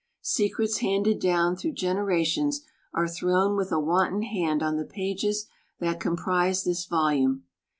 Secrets handed down through generations are thrown with a wanton hand on the pages that comprise this volume.